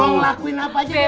mau ngelakuin apa aja deh